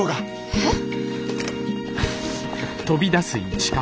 えっ！？